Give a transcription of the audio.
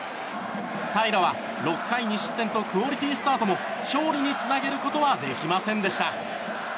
平良は６回２失点とクオリティ・スタートも勝利につなげることはできませんでした。